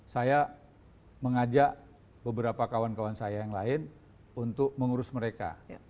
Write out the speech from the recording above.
saya mengajak beberapa kawan kawan saya yang lain untuk mengurus mereka